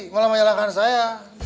gak mau menyalahkan saya